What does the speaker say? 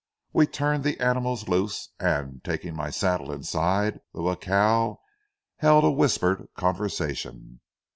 We turned the animals loose, and, taking my saddle inside the jacal, held a whispered conversation.